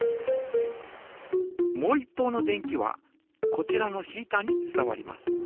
もう一方の電気はこちらのヒータに伝わります。